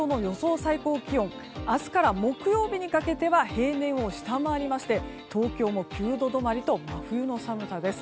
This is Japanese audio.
最高気温明日から木曜日にかけては平年を下回りまして東京も９度止まりと真冬の寒さです。